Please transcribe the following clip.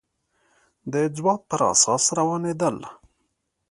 د ځواب پر اساس روانېدل